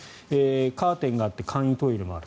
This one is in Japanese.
カーテンがあって簡易トイレもある。